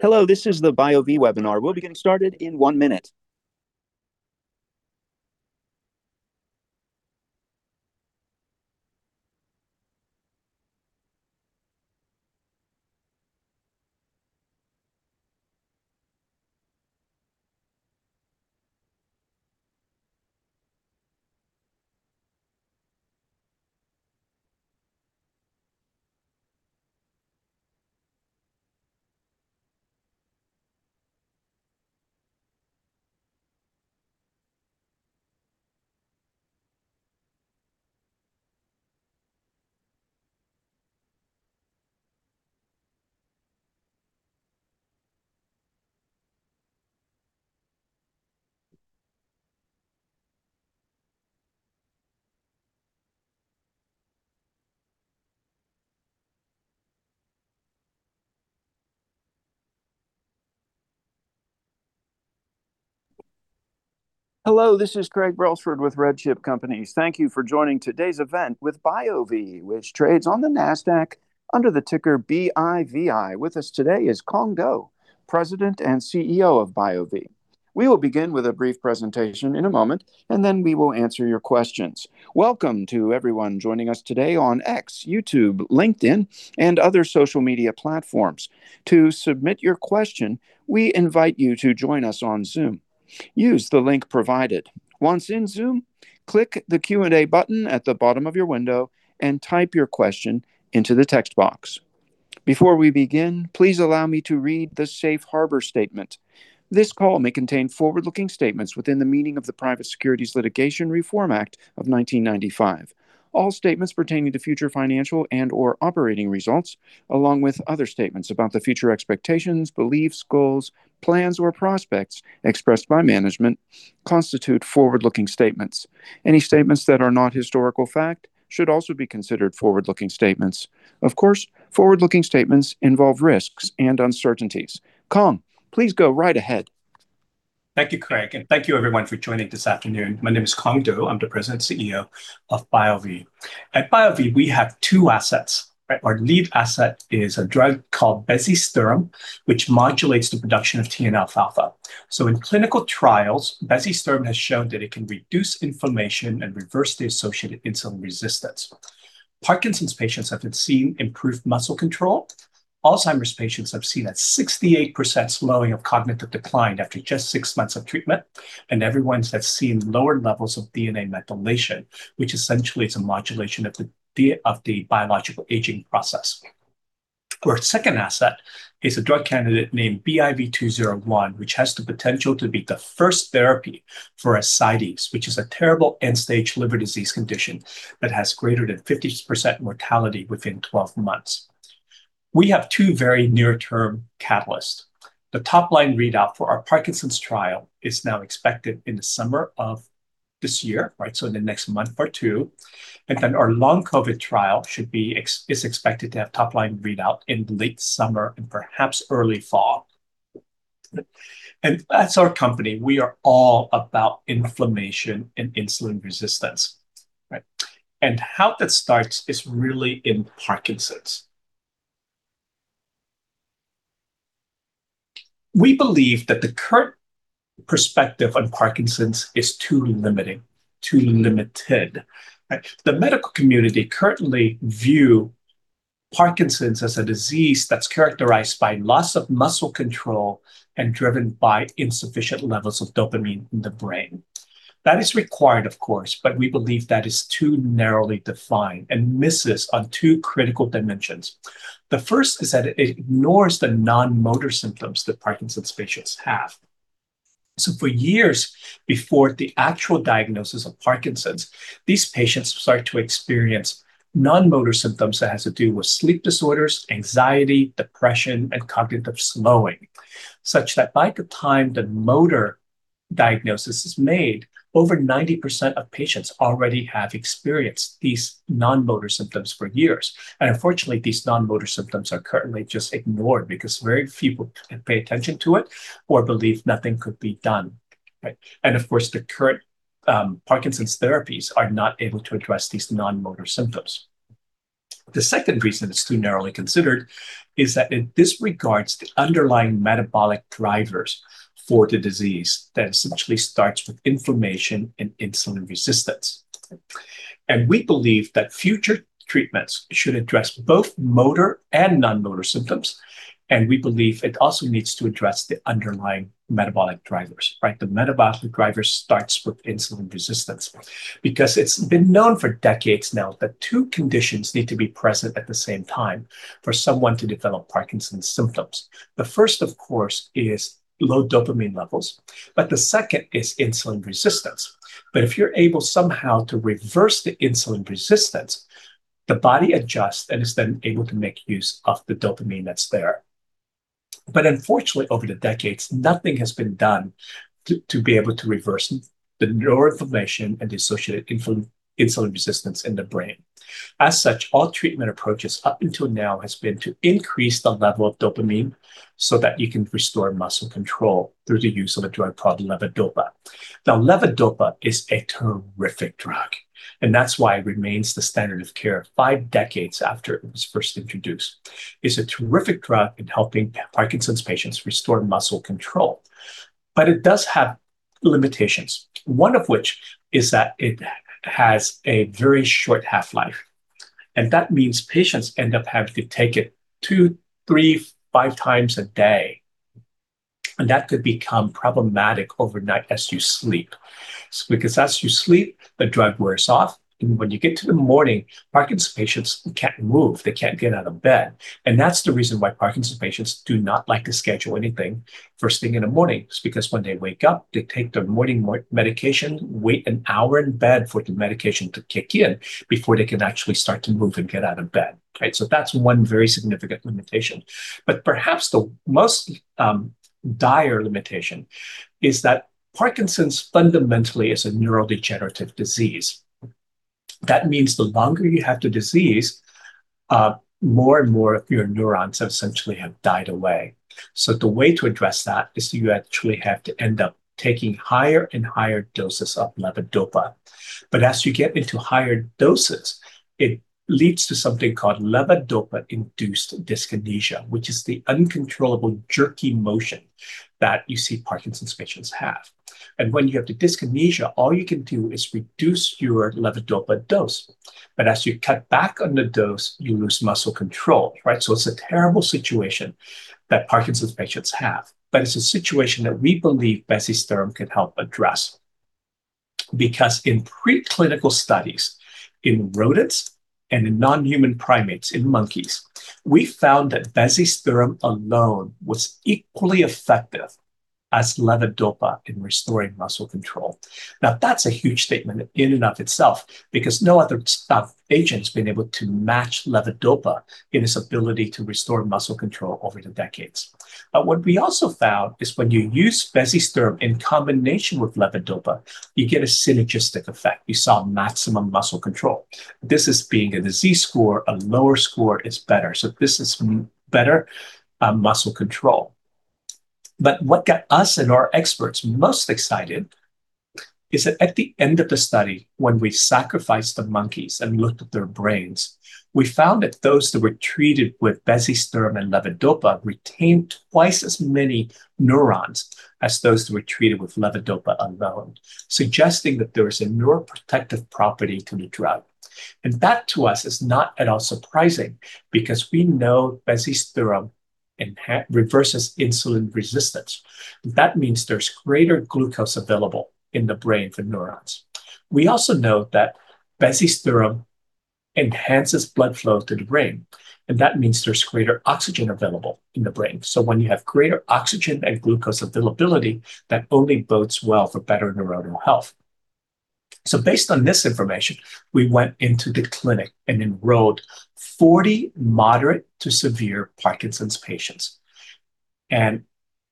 Hello, this is the BioVie webinar. We'll be getting started in one minute. Hello, this is Craig Brelsford with RedChip Companies. Thank you for joining today's event with BioVie, which trades on the Nasdaq under the ticker BIVI. With us today is Cuong Do, President and CEO of BioVie. We will begin with a brief presentation in a moment, and then we will answer your questions. Welcome to everyone joining us today on X, YouTube, LinkedIn, and other social media platforms. To submit your question, we invite you to join us on Zoom. Use the link provided. Once in Zoom, click the Q&A button at the bottom of your window and type your question into the text box. Before we begin, please allow me to read the safe harbor statement. This call may contain forward-looking statements within the meaning of the Private Securities Litigation Reform Act of 1995. All statements pertaining to future financial and/or operating results, along with other statements about the future expectations, beliefs, goals, plans, or prospects expressed by management, constitute forward-looking statements. Any statements that are not historical fact should also be considered forward-looking statements. Of course, forward-looking statements involve risks and uncertainties. Cuong, please go right ahead. Thank you, Craig, and thank you everyone for joining this afternoon. My name is Cuong Do. I'm the President and CEO of BioVie. At BioVie, we have two assets. Our lead asset is a drug called bezisterim, which modulates the production of TNF-alpha. In clinical trials, bezisterim has shown that it can reduce inflammation and reverse the associated insulin resistance. Parkinson's patients have seen improved muscle control. Alzheimer's patients have seen a 68% slowing of cognitive decline after just six months of treatment. Everyone has seen lower levels of DNA methylation, which essentially is a modulation of the biological aging process. Our second asset is a drug candidate named BIV201, which has the potential to be the first therapy for ascites, which is a terrible end-stage liver disease condition that has greater than 50% mortality within 12 months. We have two very near-term catalysts. The top-line readout for our Parkinson's trial is now expected in the summer of this year, so in the next month or two. Our Long COVID trial is expected to have top-line readout in late summer and perhaps early fall. Our company, we are all about inflammation and insulin resistance. How that starts is really in Parkinson's. We believe that the current perspective on Parkinson's is too limited. The medical community currently view Parkinson's as a disease that's characterized by loss of muscle control and driven by insufficient levels of dopamine in the brain. That is required, of course, we believe that is too narrowly defined and misses on two critical dimensions. The first is that it ignores the non-motor symptoms that Parkinson's patients have. For years before the actual diagnosis of Parkinson's, these patients start to experience non-motor symptoms that has to do with sleep disorders, anxiety, depression, and cognitive slowing, such that by the time the motor diagnosis is made, over 90% of patients already have experienced these non-motor symptoms for years. Unfortunately, these non-motor symptoms are currently just ignored because very few people can pay attention to it or believe nothing could be done. Of course, the current Parkinson's therapies are not able to address these non-motor symptoms. The second reason it's too narrowly considered is that it disregards the underlying metabolic drivers for the disease that essentially starts with inflammation and insulin resistance. We believe that future treatments should address both motor and non-motor symptoms, and we believe it also needs to address the underlying metabolic drivers. The metabolic driver starts with insulin resistance. Because it's been known for decades now that two conditions need to be present at the same time for someone to develop Parkinson's symptoms. The first, of course, is low dopamine levels, but the second is insulin resistance. If you're able somehow to reverse the insulin resistance, the body adjusts and is then able to make use of the dopamine that's there. Unfortunately, over the decades, nothing has been done to be able to reverse the neuroinflammation and the associated insulin resistance in the brain. As such, all treatment approaches up until now has been to increase the level of dopamine so that you can restore muscle control through the use of a drug called levodopa. Now, levodopa is a terrific drug, and that's why it remains the standard of care five decades after it was first introduced. It's a terrific drug in helping Parkinson's patients restore muscle control. It does have limitations, one of which is that it has a very short half-life. That means patients end up having to take it two, three, five times a day, and that could become problematic overnight as you sleep. As you sleep, the drug wears off, and when you get to the morning, Parkinson's patients can't move. They can't get out of bed. That's the reason why Parkinson's patients do not like to schedule anything first thing in the morning, is because when they wake up, they take their morning medication, wait an hour in bed for the medication to kick in before they can actually start to move and get out of bed. That's one very significant limitation. Perhaps the most dire limitation is that Parkinson's fundamentally is a neurodegenerative disease. That means the longer you have the disease, more and more of your neurons essentially have died away. The way to address that is you actually have to end up taking higher and higher doses of levodopa. As you get into higher doses, it leads to something called levodopa-induced dyskinesia, which is the uncontrollable jerky motion that you see Parkinson's patients have. When you have the dyskinesia, all you can do is reduce your levodopa dose. As you cut back on the dose, you lose muscle control. It's a terrible situation that Parkinson's patients have, but it's a situation that we believe bezisterim can help address, because in preclinical studies in rodents and in non-human primates, in monkeys, we found that bezisterim alone was equally effective as levodopa in restoring muscle control. Now, that's a huge statement in and of itself because no other agent's been able to match levodopa in its ability to restore muscle control over the decades. What we also found is when you use bezisterim in combination with levodopa, you get a synergistic effect. We saw maximum muscle control. This as being a Z-score, a lower score is better. This is better muscle control. What got us and our experts most excited is that at the end of the study, when we sacrificed the monkeys and looked at their brains, we found that those that were treated with bezisterim and levodopa retained twice as many neurons as those that were treated with levodopa alone, suggesting that there is a neuroprotective property to the drug. That, to us, is not at all surprising because we know bezisterim reverses insulin resistance. That means there's greater glucose available in the brain for neurons. We also know that bezisterim enhances blood flow to the brain, and that means there's greater oxygen available in the brain. When you have greater oxygen and glucose availability, that only bodes well for better neuronal health. Based on this information, we went into the clinic and enrolled 40 moderate to severe Parkinson's patients and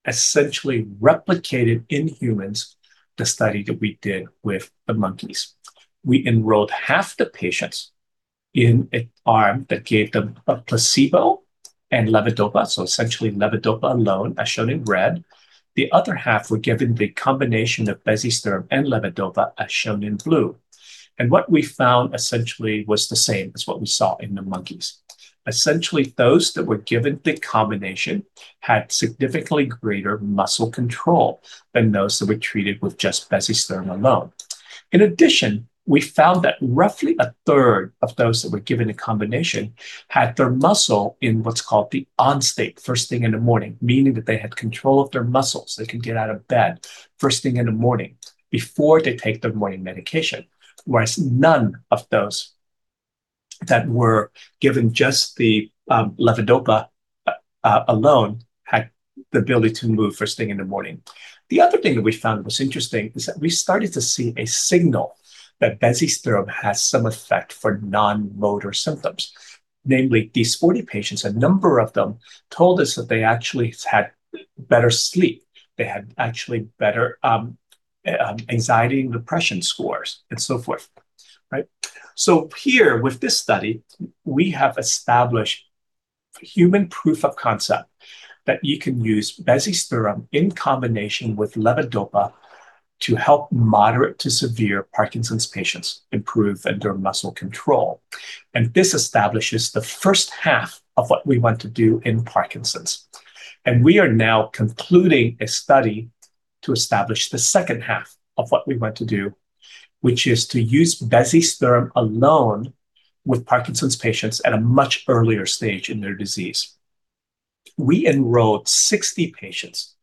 essentially replicated in humans the study that we did with the monkeys. We enrolled half the patients in an arm that gave them a placebo and levodopa, so essentially levodopa alone, as shown in red. The other half were given the combination of bezisterim and levodopa, as shown in blue. What we found, essentially, was the same as what we saw in the monkeys. Essentially, those that were given the combination had significantly greater muscle control than those that were treated with just bezisterim alone. In addition, we found that roughly a third of those that were given the combination had their muscle in what's called the on state first thing in the morning, meaning that they had control of their muscles. They could get out of bed first thing in the morning before they take their morning medication, whereas none of those that were given just the levodopa alone had the ability to move first thing in the morning. The other thing that we found that was interesting is that we started to see a signal that bezisterim has some effect for non-motor symptoms. Namely, these 40 patients, a number of them told us that they actually had better sleep, they had actually better anxiety and depression scores, and so forth. Here, with this study, we have established human proof of concept that you can use bezisterim in combination with levodopa to help moderate to severe Parkinson's patients improve their muscle control. This establishes the first half of what we want to do in Parkinson's. We are now concluding a study to establish the second half of what we want to do, which is to use bezisterim alone with Parkinson's patients at a much earlier stage in their disease. We enrolled 60 patients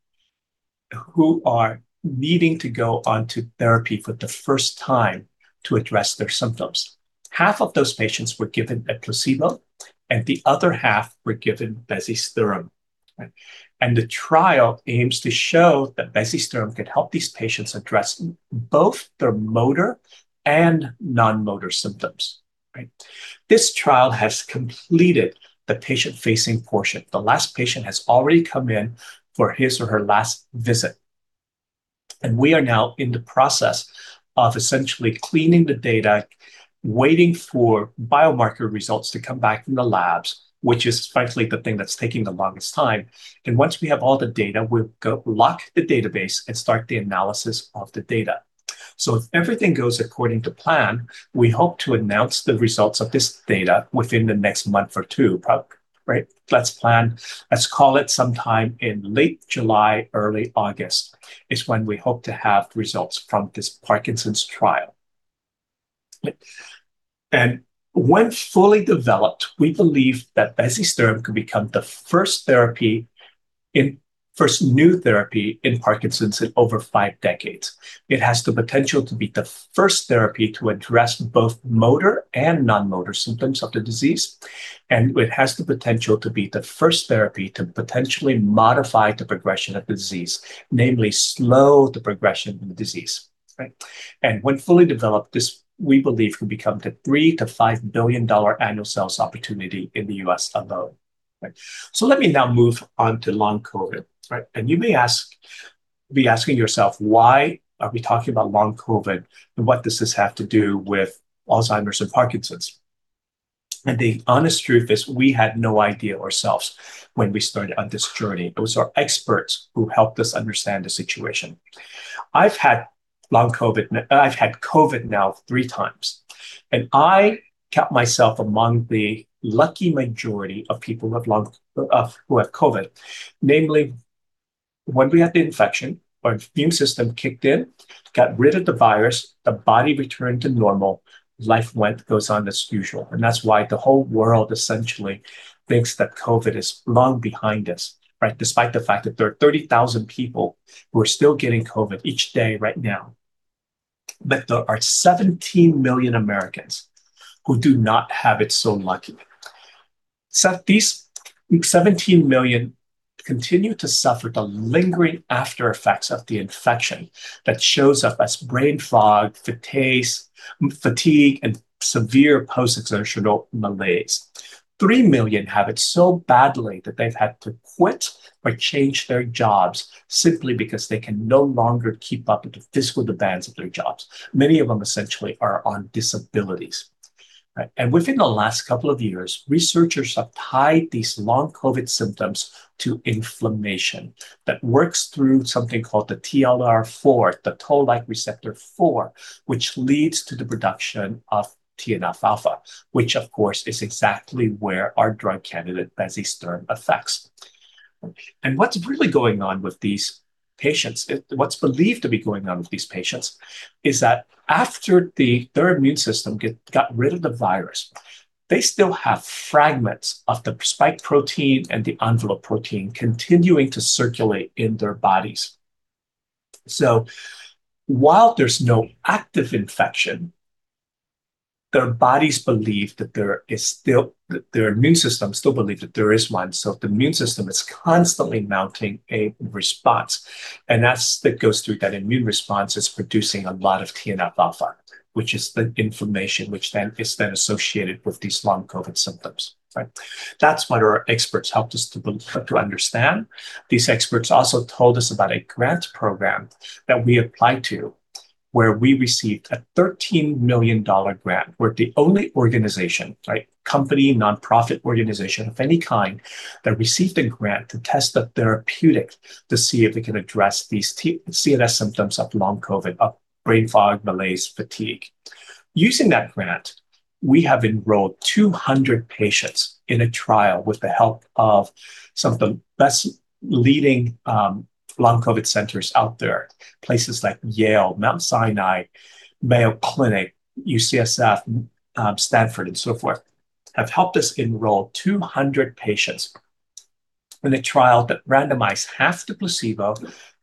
who are needing to go onto therapy for the first time to address their symptoms. Half of those patients were given a placebo, and the other half were given bezisterim. The trial aims to show that bezisterim can help these patients address both their motor and non-motor symptoms. This trial has completed the patient-facing portion. The last patient has already come in for his or her last visit, and we are now in the process of essentially cleaning the data, waiting for biomarker results to come back from the labs, which is frankly the thing that's taking the longest time. Once we have all the data, we'll lock the database and start the analysis of the data. If everything goes according to plan, we hope to announce the results of this data within the next month or two, probably. Let's plan, let's call it sometime in late July, early August, is when we hope to have results from this Parkinson's trial. When fully developed, we believe that bezisterim can become the first new therapy in Parkinson's in over five decades. It has the potential to be the first therapy to address both motor and non-motor symptoms of the disease. It has the potential to be the first therapy to potentially modify the progression of disease, namely slow the progression of the disease. When fully developed, this, we believe, could become the $3 billion-$5 billion annual sales opportunity in the U.S. alone. Let me now move on to Long COVID. You may be asking yourself, why are we talking about Long COVID, and what does this have to do with Alzheimer's and Parkinson's? The honest truth is, we had no idea ourselves when we started on this journey. It was our experts who helped us understand the situation. I've had COVID now three times. I count myself among the lucky majority of people who have COVID. Namely, when we had the infection, our immune system kicked in, got rid of the virus, the body returned to normal, life goes on as usual. That's why the whole world essentially thinks that COVID is long behind us. Despite the fact that there are 30,000 people who are still getting COVID each day right now. There are 17 million Americans who do not have it so lucky. These 17 million continue to suffer the lingering after effects of the infection that shows up as brain fog, fatigue, and severe post-exertional malaise. 3 million have it so badly that they've had to quit or change their jobs simply because they can no longer keep up with the physical demands of their jobs. Many of them essentially are on disabilities. Within the last couple of years, researchers have tied these Long COVID symptoms to inflammation that works through something called the TLR4, the Toll-like receptor 4, which leads to the production of TNF-alpha, which, of course, is exactly where our drug candidate, bezisterim, affects. What's really going on with these patients, what's believed to be going on with these patients, is that after their immune system got rid of the virus, they still have fragments of the spike protein and the envelope protein continuing to circulate in their bodies. While there's no active infection, their immune systems still believe that there is one, so the immune system is constantly mounting a response. As it goes through that immune response, it's producing a lot of TNF-alpha, which is the inflammation which then is then associated with these Long COVID symptoms. That's what our experts helped us to understand. These experts also told us about a grant program that we applied to, where we received a $13 million grant. We're the only organization, company, nonprofit organization of any kind, that received a grant to test a therapeutic to see if it can address these CNS symptoms of Long COVID, of brain fog, malaise, fatigue. Using that grant, we have enrolled 200 patients in a trial with the help of some of the best leading Long COVID centers out there. Places like Yale, Mount Sinai, Mayo Clinic, UCSF, Stanford, and so forth, have helped us enroll 200 patients in a trial that randomized half to placebo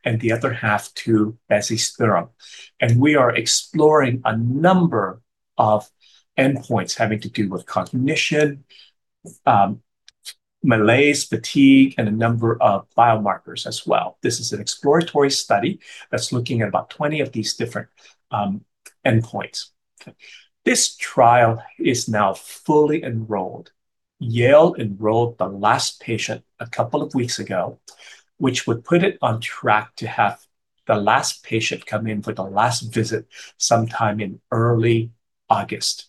and the other half to bezisterim. We are exploring a number of endpoints having to do with cognition, malaise, fatigue, and a number of biomarkers as well. This is an exploratory study that's looking at about 20 of these different endpoints. This trial is now fully enrolled. Yale enrolled the last patient a couple of weeks ago, which would put it on track to have the last patient come in for the last visit sometime in early August,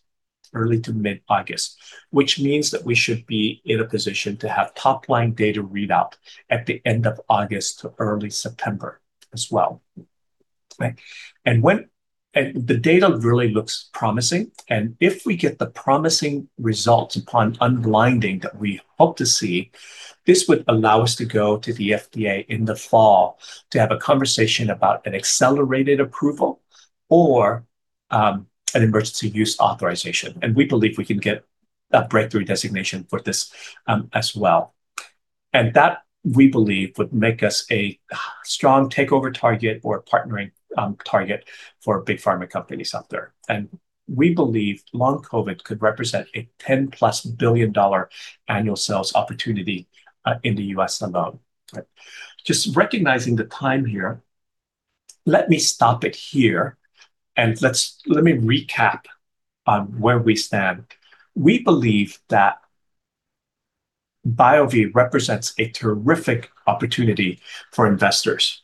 early to mid-August. We should be in a position to have top-line data readout at the end of August to early September as well. The data really looks promising. If we get the promising results upon unblinding that we hope to see, this would allow us to go to the FDA in the fall to have a conversation about an accelerated approval or an Emergency Use Authorization. We believe we can get a Breakthrough designation for this as well. That, we believe, would make us a strong takeover target or partnering target for big pharma companies out there. We believe Long COVID could represent a $10 billion-plus annual sales opportunity in the U.S. alone. Just recognizing the time here, let me stop it here and let me recap on where we stand. We believe that BioVie represents a terrific opportunity for investors.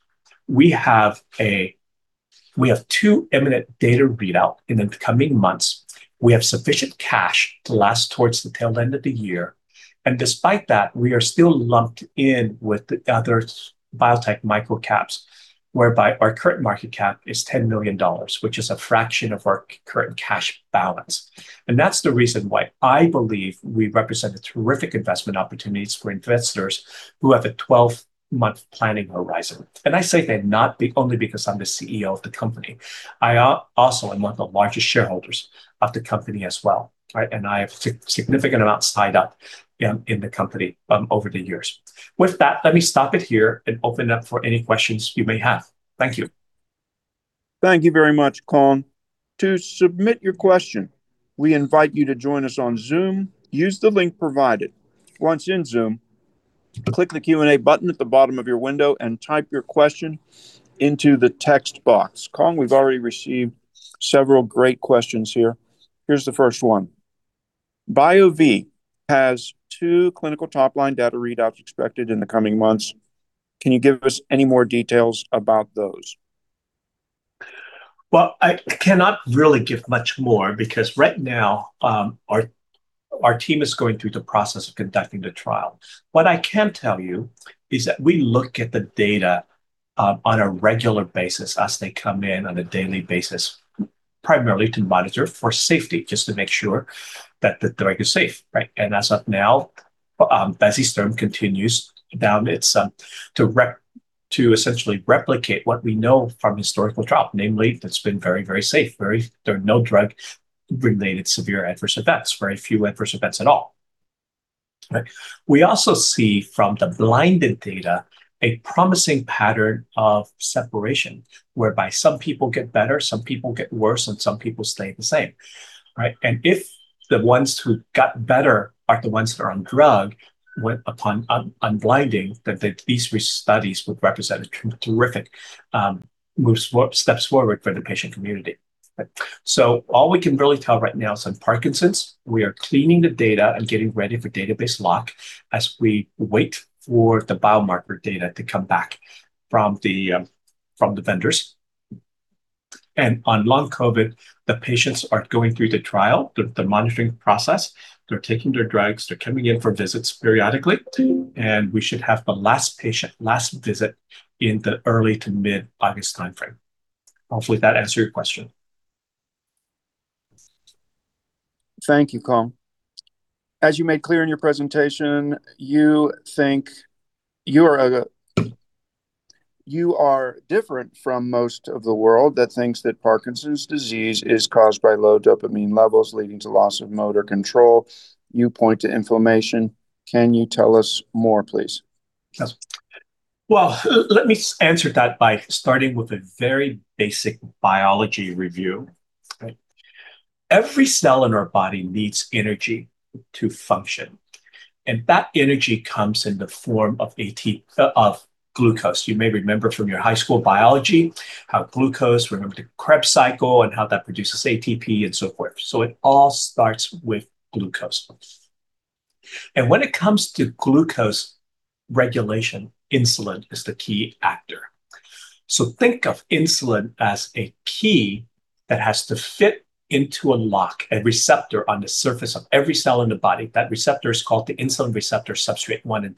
We have two imminent data readout in the coming months. We have sufficient cash to last towards the tail end of the year. Despite that, we are still lumped in with the other biotech microcaps. Whereby our current market cap is $10 million, which is a fraction of our current cash balance. That's the reason why I believe we represent a terrific investment opportunities for investors who have a 12-month planning horizon. I say that not only because I'm the CEO of the company, I also am one of the largest shareholders of the company as well. I have significant amounts tied up in the company over the years. With that, let me stop it here and open it up for any questions you may have. Thank you. Thank you very much, Cuong. To submit your question, we invite you to join us on Zoom. Use the link provided. Once in Zoom, click the Q&A button at the bottom of your window and type your question into the text box. Cuong, we've already received several great questions here. Here's the first one. BioVie has two clinical top-line data readouts expected in the coming months. Can you give us any more details about those? Well, I cannot really give much more because right now our team is going through the process of conducting the trial. What I can tell you is that we look at the data on a regular basis as they come in on a daily basis, primarily to monitor for safety, just to make sure that the drug is safe. Right? As of now, bezisterim continues down to essentially replicate what we know from historical trial, namely that it's been very safe. There are no drug-related severe adverse events, very few adverse events at all. We also see from the blinded data a promising pattern of separation, whereby some people get better, some people get worse, and some people stay the same. Right? If the ones who got better are the ones that are on drug, upon unblinding, these studies would represent a terrific steps forward for the patient community. All we can really tell right now is on Parkinson's, we are cleaning the data and getting ready for database lock as we wait for the biomarker data to come back from the vendors. On Long COVID, the patients are going through the trial, the monitoring process. They're taking their drugs. They're coming in for visits periodically, and we should have the last patient, last visit in the early to mid-August timeframe. Hopefully, that answered your question. Thank you, Cuong. As you made clear in your presentation, you are different from most of the world that thinks that Parkinson's disease is caused by low dopamine levels leading to loss of motor control. You point to inflammation. Can you tell us more, please? Yes. Well, let me answer that by starting with a very basic biology review. Every cell in our body needs energy to function, and that energy comes in the form of glucose. You may remember from your high school biology how glucose, remember the Krebs cycle and how that produces ATP and so forth. It all starts with glucose. When it comes to glucose regulation, insulin is the key actor. Think of insulin as a key that has to fit into a lock, a receptor on the surface of every cell in the body. That receptor is called the insulin receptor substrate 1 and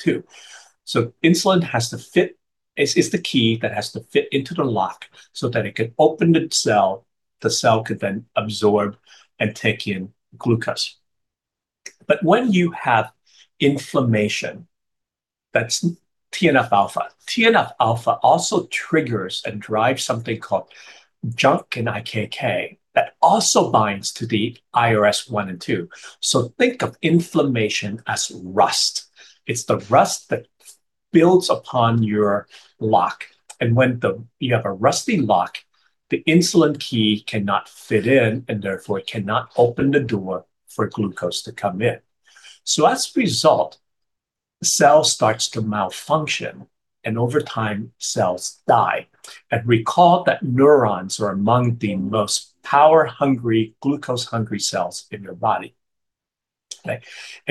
2. Insulin is the key that has to fit into the lock so that it could open the cell, the cell could then absorb and take in glucose. When you have inflammation, that's TNF-alpha. TNF-alpha also triggers and drives something called JNK and IKK that also binds to the IRS-1 and 2. Think of inflammation as rust. It's the rust that builds upon your lock, and when you have a rusty lock, the insulin key cannot fit in, and therefore it cannot open the door for glucose to come in. As a result, the cell starts to malfunction, and over time, cells die. Recall that neurons are among the most power-hungry, glucose-hungry cells in your body. Okay?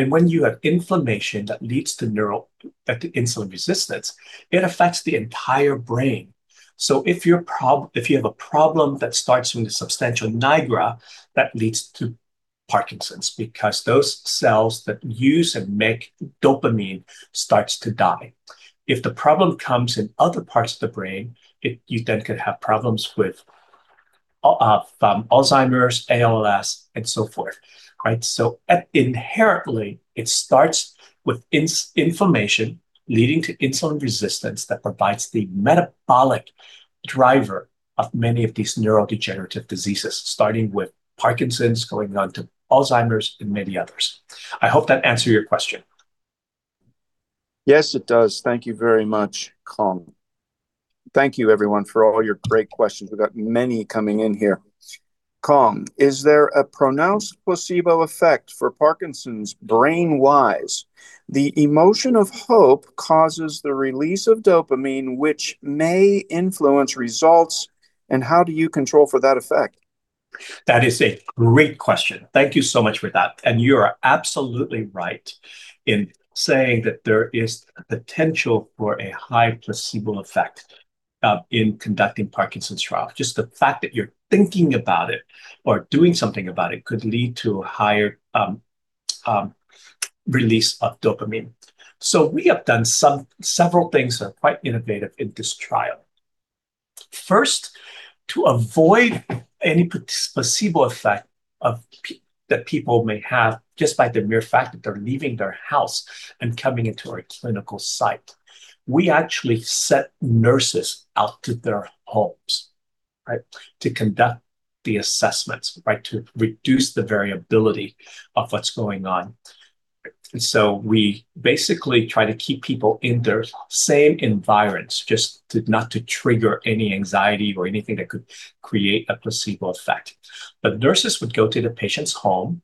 When you have inflammation that leads to insulin resistance, it affects the entire brain. If you have a problem that starts from the substantia nigra, that leads to Parkinson's, because those cells that use and make dopamine starts to die. If the problem comes in other parts of the brain, you then could have problems with Alzheimer's, ALS, and so forth. Right? Inherently, it starts with inflammation leading to insulin resistance that provides the metabolic driver of many of these neurodegenerative diseases, starting with Parkinson's, going on to Alzheimer's, and many others. I hope that answered your question. Yes, it does. Thank you very much, Cuong. Thank you, everyone, for all your great questions. We've got many coming in here. Cuong, is there a pronounced placebo effect for Parkinson's brain-wise? The emotion of hope causes the release of dopamine, which may influence results, and how do you control for that effect? That is a great question. Thank you so much for that. You are absolutely right in saying that there is a potential for a high placebo effect in conducting Parkinson's trial. Just the fact that you're thinking about it or doing something about it could lead to higher release of dopamine. We have done several things that are quite innovative in this trial. First, to avoid any placebo effect that people may have just by the mere fact that they're leaving their house and coming into our clinical site, we actually sent nurses out to their homes to conduct the assessments, to reduce the variability of what's going on. We basically try to keep people in their same environments, just not to trigger any anxiety or anything that could create a placebo effect. Nurses would go to the patient's home.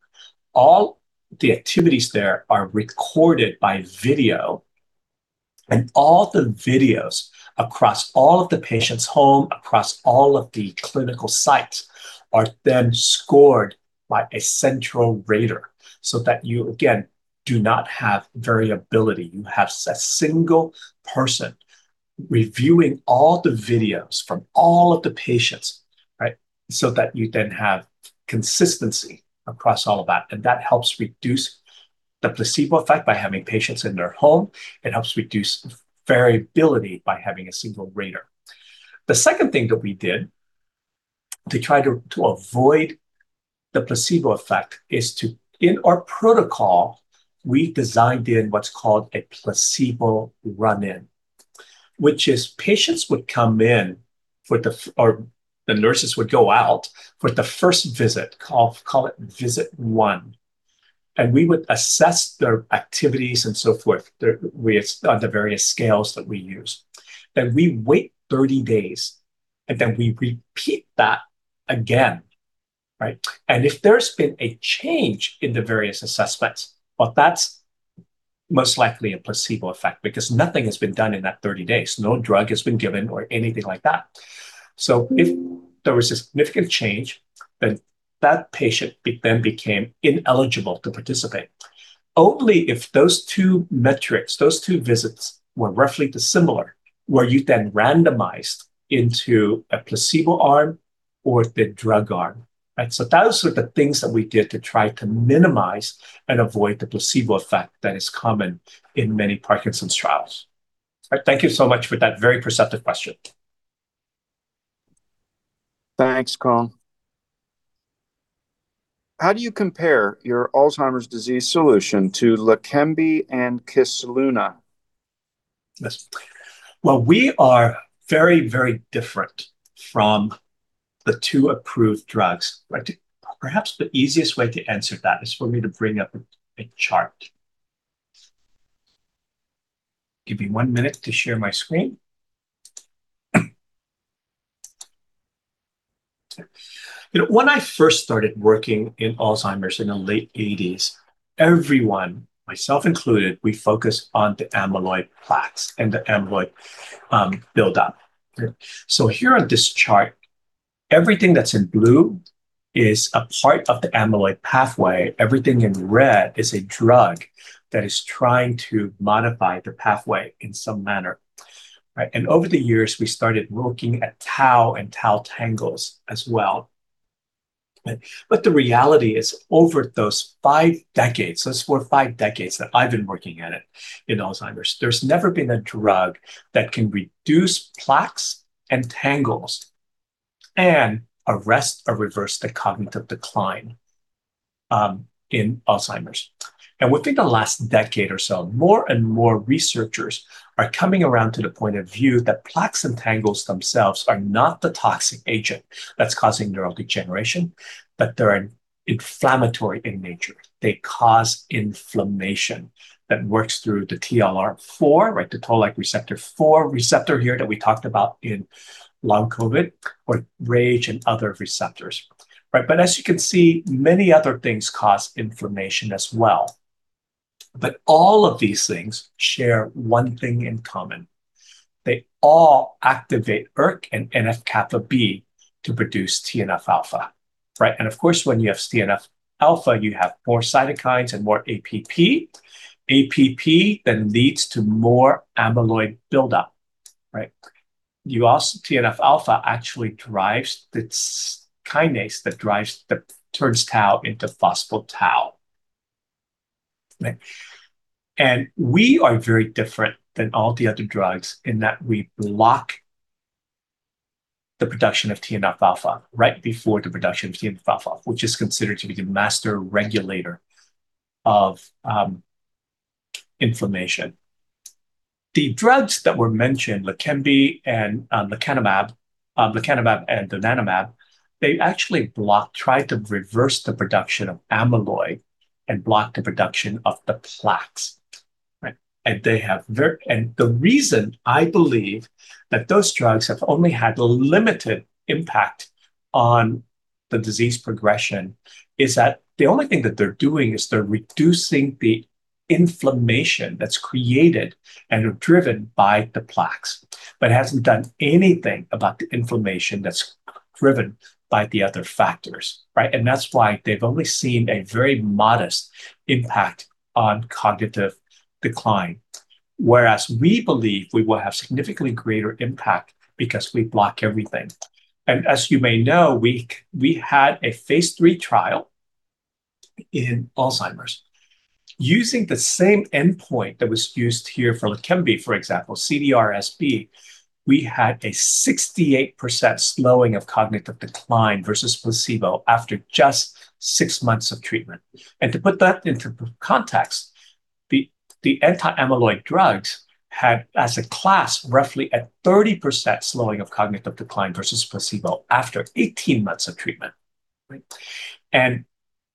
All the activities there are recorded by video, and all the videos across all of the patient's home, across all of the clinical sites, are then scored by a central rater, so that you, again, do not have variability. You have a single person reviewing all the videos from all of the patients, so that you then have consistency across all of that. That helps reduce the placebo effect by having patients in their home. It helps reduce variability by having a single rater. The second thing that we did to try to avoid the placebo effect is in our protocol, we designed in what's called a placebo run-in, which is patients would come in, or the nurses would go out for the first visit, call it Visit 1, and we would assess their activities and so forth on the various scales that we use. We wait 30 days, we repeat that again. If there's been a change in the various assessments, well, that's most likely a placebo effect because nothing has been done in that 30 days. No drug has been given or anything like that. If there was a significant change, that patient then became ineligible to participate. Only if those two metrics, those two visits, were roughly dissimilar, were you then randomized into a placebo arm or the drug arm. Those are the things that we did to try to minimize and avoid the placebo effect that is common in many Parkinson's trials. Thank you so much for that very perceptive question. Thanks, Cuong. How do you compare your Alzheimer's disease solution to LEQEMBI and Kisunla? Yes. Well, we are very, very different from the two approved drugs. Perhaps the easiest way to answer that is for me to bring up a chart. Give me one minute to share my screen. When I first started working in Alzheimer's in the late 1980s, everyone, myself included, we focused on the amyloid plaques and the amyloid buildup. Here on this chart, everything that's in blue is a part of the amyloid pathway. Everything in red is a drug that is trying to modify the pathway in some manner. Over the years, we started looking at tau and tau tangles as well. The reality is over those five decades, those four, five decades that I've been working at it in Alzheimer's, there's never been a drug that can reduce plaques and tangles and arrest or reverse the cognitive decline in Alzheimer's. Within the last decade or so, more and more researchers are coming around to the point of view that plaques and tangles themselves are not the toxic agent that's causing neurodegeneration, but they're inflammatory in nature. They cause inflammation that works through the TLR4, the Toll-like receptor 4, receptor here that we talked about in Long COVID, or RAGE and other receptors. As you can see, many other things cause inflammation as well. All of these things share one thing in common. They all activate ERK and NF-κB to produce TNF-alpha. Of course, when you have TNF-alpha, you have more cytokines and more APP. APP leads to more amyloid buildup. TNF-alpha actually drives this kinase that turns tau into phospho-tau. We are very different than all the other drugs in that we block the production of TNF-alpha, which is considered to be the master regulator of inflammation. The drugs that were mentioned, LEQEMBI and lecanemab and donanemab, they actually try to reverse the production of amyloid and block the production of the plaques. The reason I believe that those drugs have only had a limited impact on the disease progression is that the only thing that they're doing is they're reducing the inflammation that's created and driven by the plaques. It hasn't done anything about the inflammation that's driven by the other factors. That's why they've only seen a very modest impact on cognitive decline. Whereas we believe we will have significantly greater impact because we block everything. As you may know, we had a phase III trial in Alzheimer's. Using the same endpoint that was used here for LEQEMBI, for example, CDR-SB, we had a 68% slowing of cognitive decline versus placebo after just six months of treatment. To put that into context, the anti-amyloid drugs had, as a class, roughly a 30% slowing of cognitive decline versus placebo after 18 months of treatment. Right?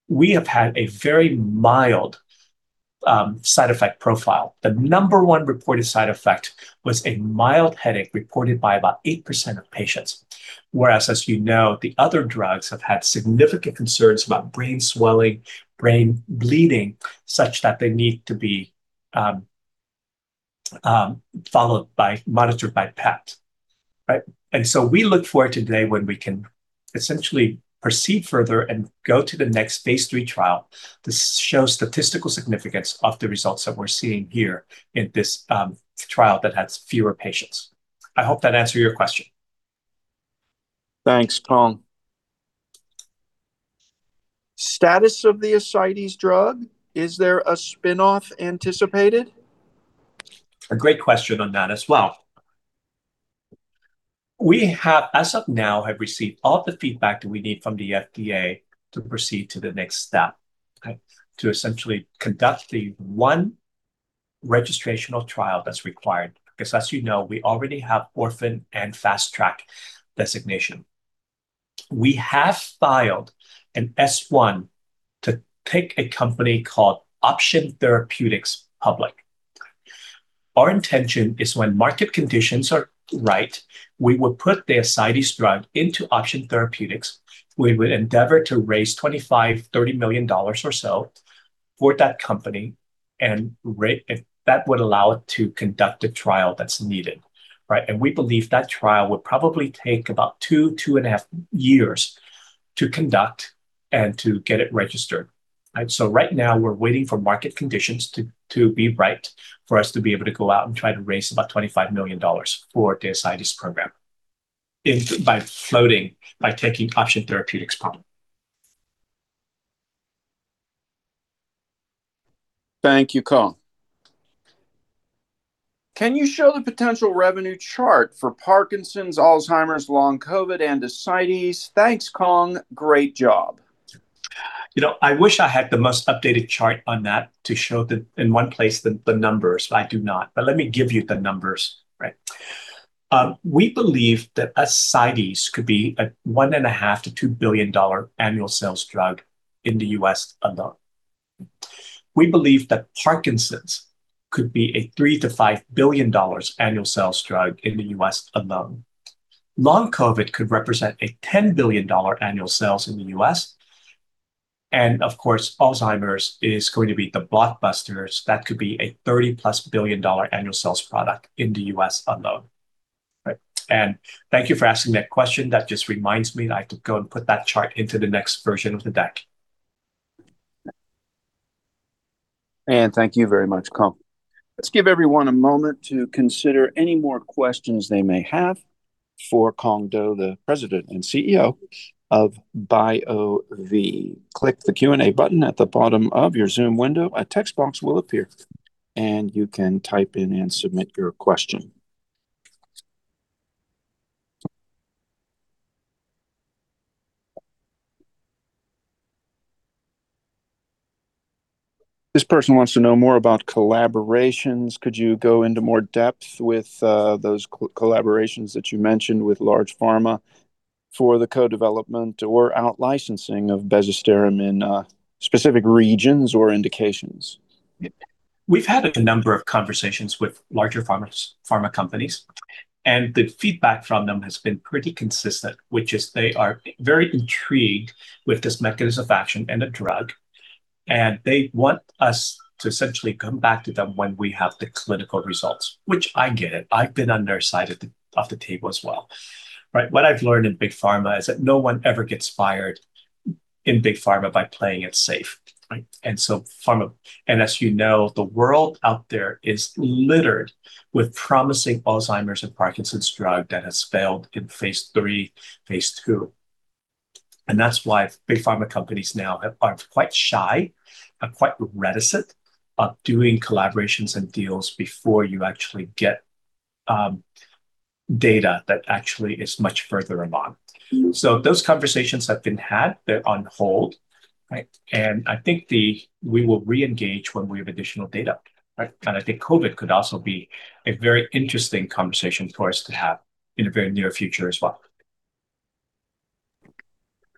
We have had a very mild side effect profile. The number one reported side effect was a mild headache reported by about 8% of patients. Whereas, as you know, the other drugs have had significant concerns about brain swelling, brain bleeding, such that they need to be followed by, monitored by PET. Right? We look forward to the day when we can essentially proceed further and go to the next phase III trial to show statistical significance of the results that we're seeing here in this trial that has fewer patients. I hope that answered your question. Thanks, Cuong. Status of the ascites drug, is there a spinoff anticipated? A great question on that as well. We have, as of now, received all the feedback that we need from the FDA to proceed to the next step. Okay. To essentially conduct the one registrational trial that's required, because as you know, we already have orphan and Fast Track designation. We have filed an S1 to take a company called Option Therapeutics public. Our intention is, when market conditions are right, we will put the ascites drug into Option Therapeutics. We would endeavor to raise $25 million, $30 million or so for that company, and that would allow it to conduct a trial that's needed. Right. We believe that trial would probably take about two and a half years to conduct and to get it registered. Right. Right now, we're waiting for market conditions to be right for us to be able to go out and try to raise about $25 million for the ascites program by floating, by taking Option Therapeutics public. Thank you, Cuong. Can you show the potential revenue chart for Parkinson's, Alzheimer's, Long COVID, and ascites? Thanks, Cuong. Great job. You know, I wish I had the most updated chart on that to show in one place the numbers. I do not, but let me give you the numbers. Right. We believe that ascites could be a $1.5 billion-$2 billion annual sales drug in the U.S. alone. We believe that Parkinson's could be a $3 billion-$5 billion annual sales drug in the U.S. alone. Long COVID could represent a $10 billion annual sales in the U.S., and of course, Alzheimer's is going to be the blockbuster. That could be a $30 billion-plus annual sales product in the U.S. alone. Right? Thank you for asking that question. That just reminds me that I have to go and put that chart into the next version of the deck. Thank you very much, Cuong. Let's give everyone a moment to consider any more questions they may have for Cuong Do, the President and CEO of BioVie. Click the Q&A button at the bottom of your Zoom window. A text box will appear, and you can type in and submit your question. This person wants to know more about collaborations. Could you go into more depth with those collaborations that you mentioned with large pharma for the co-development or out licensing of bezisterim in specific regions or indications? We've had a number of conversations with larger pharma companies, and the feedback from them has been pretty consistent. Which is, they are very intrigued with this mechanism of action and the drug, and they want us to essentially come back to them when we have the clinical results. I get it. I've been on their side of the table as well. Right? What I've learned in big pharma is that no one ever gets fired in big pharma by playing it safe. Right? As you know, the world out there is littered with promising Alzheimer's and Parkinson's drug that has failed in phase III, phase II, and that's why big pharma companies now are quite shy and quite reticent of doing collaborations and deals before you actually get data that actually is much further along. Those conversations have been had. They're on hold. Right? I think we will reengage when we have additional data. Right? I think COVID could also be a very interesting conversation for us to have in the very near future as well.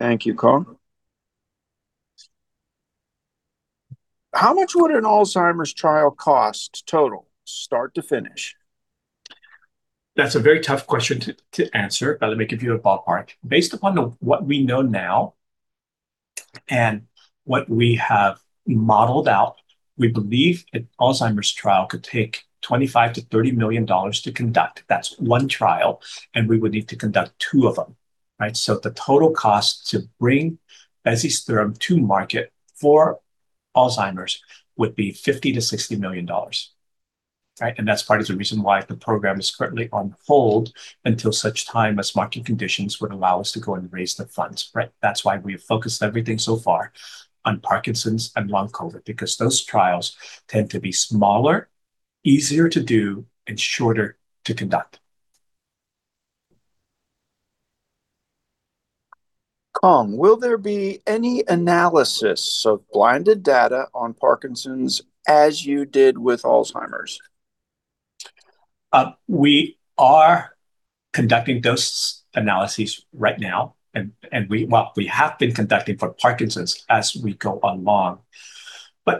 Thank you, Cuong. How much would an Alzheimer's trial cost total, start to finish? That's a very tough question to answer, but let me give you a ballpark. Based upon what we know now and what we have modeled out, we believe an Alzheimer's trial could take $25 million-$30 million to conduct. That's one trial, and we would need to conduct two of them. Right? The total cost to bring bezisterim to market for Alzheimer's would be $50 million-$60 million. Right? That's part of the reason why the program is currently on hold until such time as market conditions would allow us to go and raise the funds, right? That's why we have focused everything so far on Parkinson's and Long COVID, because those trials tend to be smaller, easier to do, and shorter to conduct. Cuong, will there be any analysis of blinded data on Parkinson's as you did with Alzheimer's? We are conducting those analyses right now, well, we have been conducting for Parkinson's as we go along.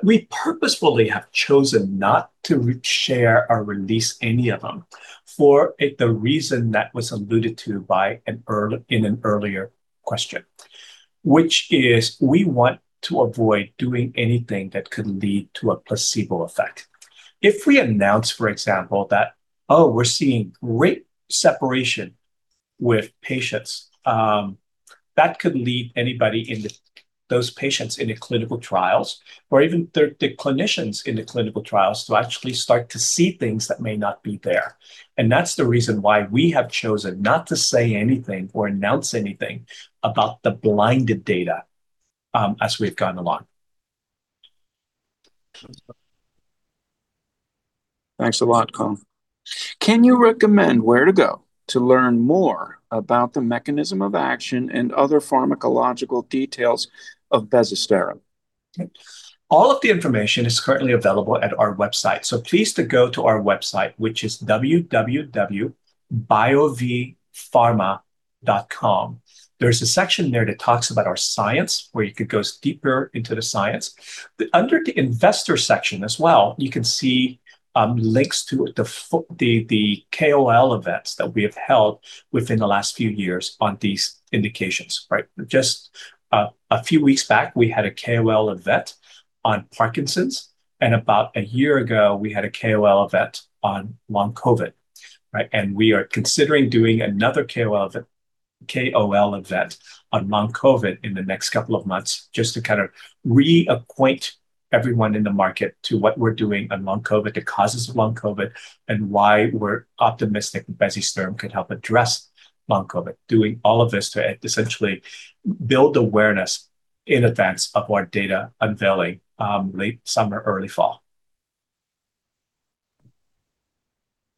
We purposefully have chosen not to re-share or release any of them for the reason that was alluded to in an earlier question, which is we want to avoid doing anything that could lead to a placebo effect. If we announce, for example, that, oh, we're seeing great separation with patients, that could lead those patients into clinical trials or even the clinicians in the clinical trials to actually start to see things that may not be there. That's the reason why we have chosen not to say anything or announce anything about the blinded data, as we've gone along. Thanks a lot, Cuong. Can you recommend where to go to learn more about the mechanism of action and other pharmacological details of bezisterim? All of the information is currently available at our website. Please go to our website, which is www.bioviepharma.com. There's a section there that talks about our science, where you could go deeper into the science. Under the Investor section as well, you can see links to the KOL events that we have held within the last few years on these indications, right? Just a few weeks back, we had a KOL event on Parkinson's, and about a year ago, we had a KOL event on Long COVID, right? We are considering doing another KOL event on Long COVID in the next couple of months just to kind of reacquaint everyone in the market to what we're doing on Long COVID, the causes of Long COVID, and why we're optimistic bezisterim could help address Long COVID. Doing all of this to essentially build awareness in advance of our data unveiling, late summer, early fall.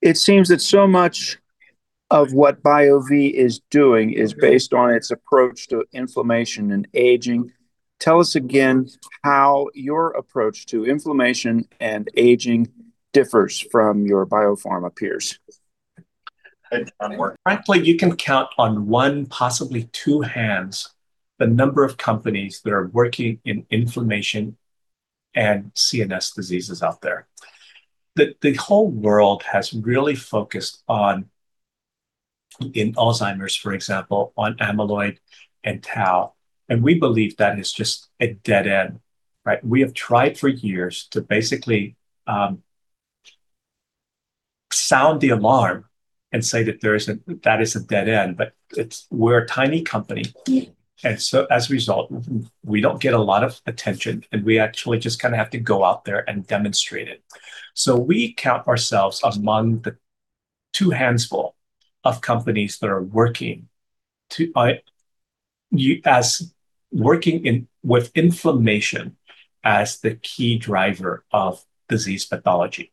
It seems that so much of what BioVie is doing is based on its approach to inflammation and aging. Tell us again how your approach to inflammation and aging differs from your biopharma peers. Frankly, you can count on one, possibly two hands, the number of companies that are working in inflammation and CNS diseases out there. The whole world has really focused on, in Alzheimer's, for example, on amyloid and tau. We believe that is just a dead end, right? We have tried for years to basically sound the alarm and say that is a dead end. We're a tiny company, and so as a result, we don't get a lot of attention, and we actually just have to go out there and demonstrate it. We count ourselves among the two handful of companies that are working with inflammation as the key driver of disease pathology.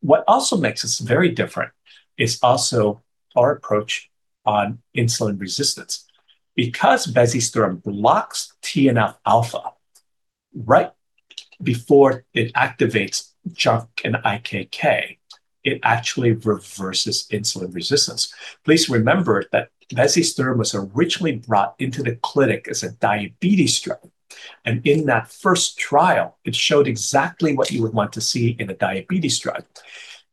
What also makes us very different is also our approach on insulin resistance. Because bezisterim blocks TNF-alpha right before it activates JNK and IKK, it actually reverses insulin resistance. Please remember that bezisterim was originally brought into the clinic as a diabetes drug, and in that first trial, it showed exactly what you would want to see in a diabetes drug.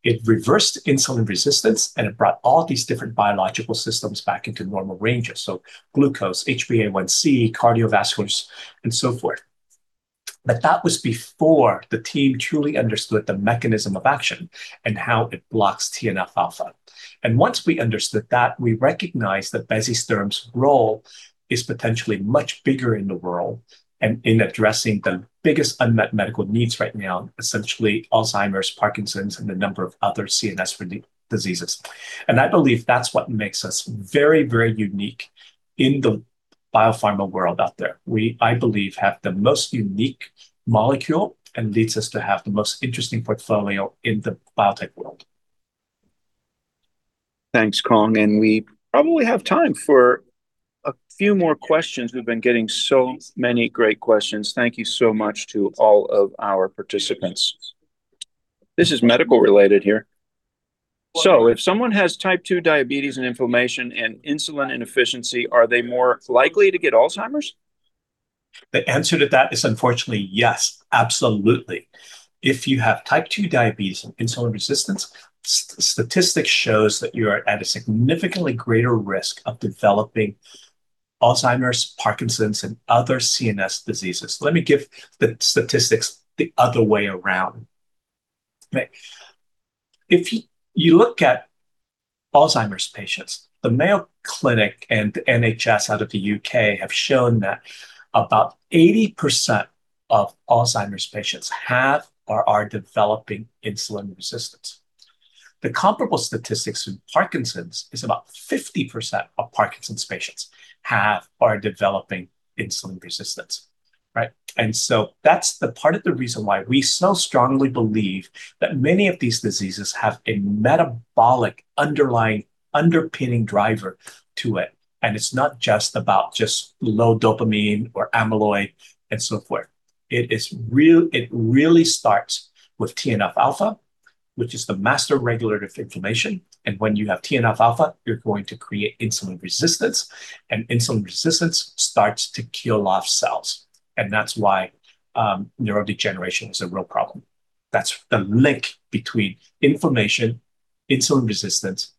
It reversed insulin resistance, and it brought all these different biological systems back into normal ranges, so glucose, HbA1c, cardiovascular, and so forth. That was before the team truly understood the mechanism of action and how it blocks TNF-alpha. Once we understood that, we recognized that bezisterim's role is potentially much bigger in the world and in addressing the biggest unmet medical needs right now, essentially Alzheimer's, Parkinson's, and a number of other CNS diseases. I believe that's what makes us very, very unique in the biopharma world out there. We, I believe, have the most unique molecule and leads us to have the most interesting portfolio in the biotech world. Thanks, Cuong. We probably have time for a few more questions. We've been getting so many great questions. Thank you so much to all of our participants. This is medical related here. If someone has type 2 diabetes and inflammation and insulin inefficiency, are they more likely to get Alzheimer's? The answer to that is unfortunately yes, absolutely. If you have type 2 diabetes and insulin resistance, statistics shows that you are at a significantly greater risk of developing Alzheimer's, Parkinson's, and other CNS diseases. Let me give the statistics the other way around. Right. If you look at Alzheimer's patients, the Mayo Clinic and NHS out of the U.K. have shown that about 80% of Alzheimer's patients have or are developing insulin resistance. The comparable statistics with Parkinson's is about 50% of Parkinson's patients have or are developing insulin resistance, right? That's the part of the reason why we so strongly believe that many of these diseases have a metabolic underlying underpinning driver to it. It's not just about just low dopamine or amyloid and so forth. It really starts with TNF-alpha, which is the master regulator of inflammation. When you have TNF-alpha, you're going to create insulin resistance, and insulin resistance starts to kill off cells. That's why neurodegeneration is a real problem. That's the link between inflammation, insulin resistance,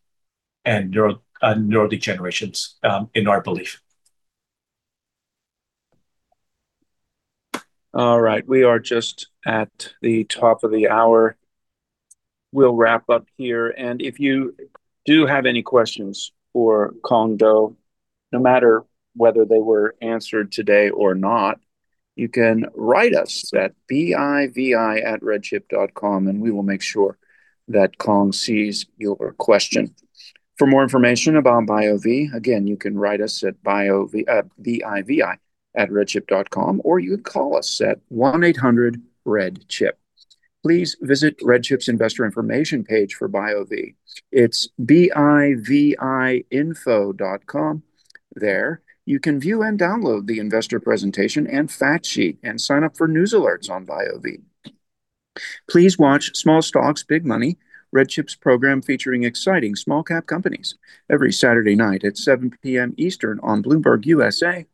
and neurodegeneration in our belief. All right. We are just at the top of the hour. We'll wrap up here, and if you do have any questions for Cuong Do, no matter whether they were answered today or not, you can write us at bivi@redchip.com and we will make sure that Cuong sees your question. For more information about BioVie, again, you can write us at bivi@redchip.com or you can call us at 1-800-RED-CHIP. Please visit RedChip's investor information page for BioVie. It's biviinfo.com. There, you can view and download the investor presentation and fact sheet and sign up for news alerts on BioVie. Please watch Small Stocks, Big Money, RedChip's program featuring exciting small cap companies every Saturday night at 7:00 P.M. Eastern on Bloomberg USA.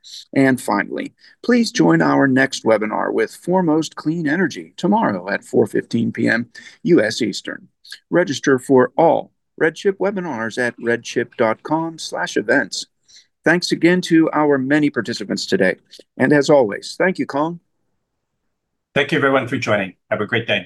Finally, please join our next webinar with Foremost Clean Energy tomorrow at 4:15 P.M. U.S. Eastern. Register for all RedChip webinars at redchip.com/events. Thanks again to our many participants today, and as always, thank you, Cuong. Thank you everyone for joining. Have a great day.